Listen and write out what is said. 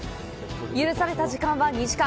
許された時間は２時間。